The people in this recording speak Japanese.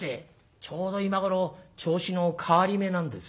「ちょうど今頃銚子の代り目なんです」。